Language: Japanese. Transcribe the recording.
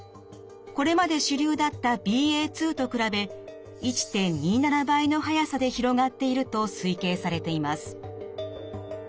これまで主流だったＢＡ．２と比べ１．２７倍の速さで広がっていると推計されています。